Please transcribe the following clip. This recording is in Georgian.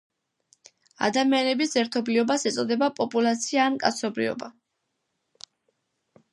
ადამიანების ერთობლიობას ეწოდება პოპულაცია ან კაცობრიობა.